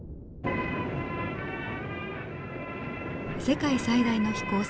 世界最大の飛行船